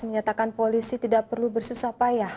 menyatakan polisi tidak perlu bersusah payah